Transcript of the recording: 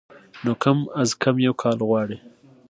نو کم از کم يو کال غواړي